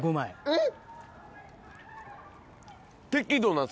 えっ？